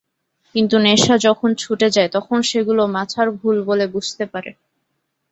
কিন্তু নেশা যখন ছুটে যায়, তখন সেগুলো মাথার ভুল বলে বুঝতে পারে।